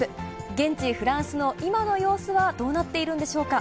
現地フランスの今の様子はどうなっているんでしょうか。